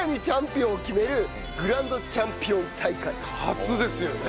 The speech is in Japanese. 初ですよね。